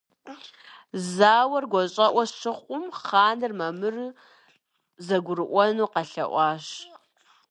Зауэр гуащӏэӏуэ щыхъум, хъаныр мамыру зэгурыӏуэну къэлъэӏуащ.